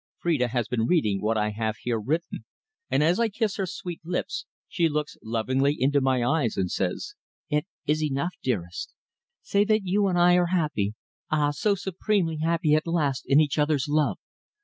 Phrida has been reading what I have here written, and as I kiss her sweet lips, she looks lovingly into my eyes and says: "It is enough, dearest. Say that you and I are happy ah! so supremely happy at last, in each other's love.